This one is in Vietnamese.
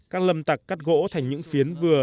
các lâm tặc cắt gỗ thành những phiến vừa